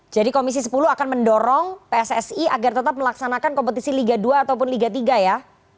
jadi komisi sepuluh akan mendorong pssi agar tetap melaksanakan kompetisi liga dua ataupun liga tiga ya